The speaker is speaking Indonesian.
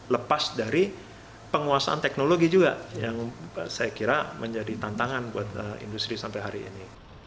lepas dari penguasaan teknologi juga yang saya kira menjadi tantangan buat industri sampai hari ini